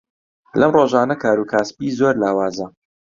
لەم ڕۆژانە کاروکاسبی زۆر لاوازە.